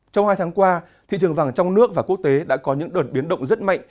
trong hai tháng qua thị trường vàng trong nước và quốc tế đã có những đợt biến động rất mạnh